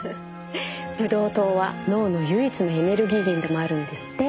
ブドウ糖は脳の唯一のエネルギー源でもあるんですって。